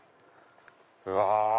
うわ！